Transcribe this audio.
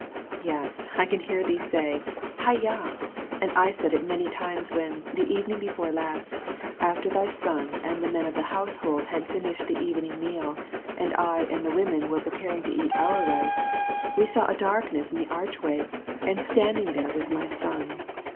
Yes, I can hear thee say, "Hi yah!" And I said it many times when, the evening before last, after thy son and the men of the house hold had finished the evening meal, and I and the women were preparing to eat our rice, we saw a darkness in the archway, and standing there was my son.